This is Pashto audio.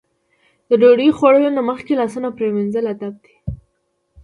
د ډوډۍ خوړلو نه مخکې لاسونه پرېمنځل ادب دی.